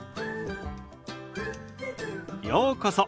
ようこそ。